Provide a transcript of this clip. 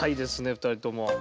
２人とも。